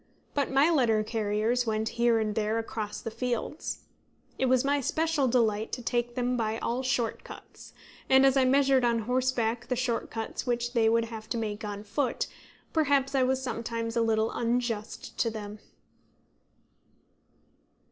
But my letter carriers went here and there across the fields. It was my special delight to take them by all short cuts; and as I measured on horseback the short cuts which they would have to make on foot, perhaps I was sometimes a little unjust to them.